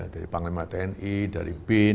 dari panglima tni dari bin